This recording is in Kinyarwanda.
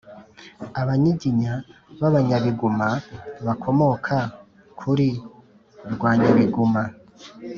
Abanyiginya b’Abanyabiguma bakomoka kuri Rwanyabiguma